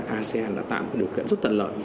asean đã tạo được điều kiện rất tận lợi